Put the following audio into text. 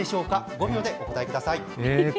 ５秒でお答えください。